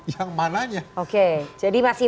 yang mananya oke jadi masih